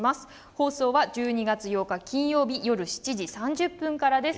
放送は１２月８日金曜日夜７時３０分からです。